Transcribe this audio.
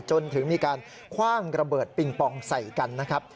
จนถึงมีการคว่างระเบิดปิงปองใส่กันนะครับ